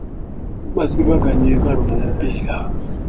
Basibaganye enkalu mu mupiira.